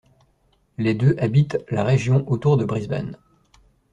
Les deux habitent la région autour de Brisbane.